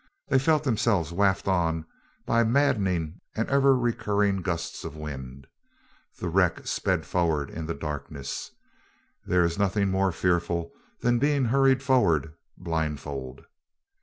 They felt themselves wafted on by maddened and ever recurring gusts of wind. The wreck sped forward in the darkness. There is nothing more fearful than being hurried forward blindfold.